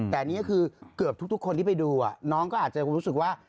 แต่อันนี้ก็คือเกือบทุกคนที่ไปดูน้องก็อาจจะรู้สึกว่า